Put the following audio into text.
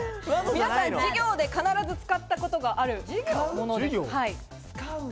皆さん、授業で必ず使ったことがあるものです。